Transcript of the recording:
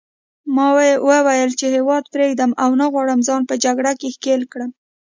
ما وویل چې هیواد پرېږدم او نه غواړم ځان په جګړه کې ښکېل کړم.